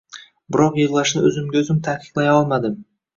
Biroq yig’lashni o’zimga o’zim taqiqlayolmadim.